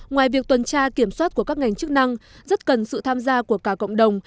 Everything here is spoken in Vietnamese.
ngoài việc tuần tra kiểm soát của các ngành chức năng rất cần sự tham gia của cả cộng đồng